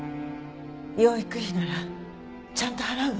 養育費ならちゃんと払うわ。